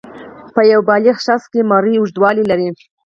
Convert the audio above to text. په یو بالغ شخص کې مرۍ اوږدوالی لري.